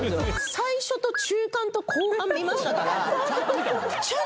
最初と中間と後半見ましたから。